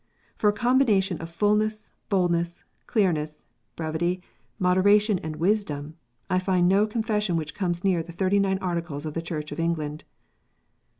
For a combination of fulness, boldness, clearness, brevity, moderation, and wisdom, I find no Confession which comes near the Thirty nine Articles of the Church of England.